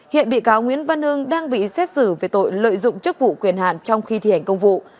hiện bị cáo nguyễn văn hưng đang bị xét xử về tội lợi dụng chức vụ quyền hạn trong khi thi hành công vụ